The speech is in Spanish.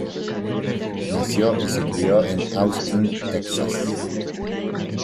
Nació y se crio en Austin, Texas.